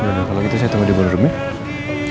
udah udah kalau gitu saya tunggu di bawah rumah ya